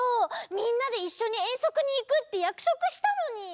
みんなでいっしょにえんそくにいくってやくそくしたのに！